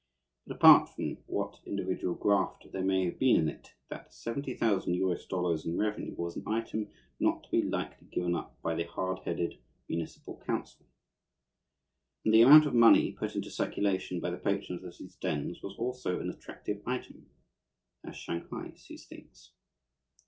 But apart from what individual graft there may have been in it, that $70,000 in revenue was an item not to be lightly given up by the hard headed municipal council. And the amount of money put into circulation by the patrons of these dens was also an attractive item, as Shanghai sees things.